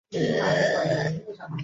其后担任甘肃省苏维埃政府主席。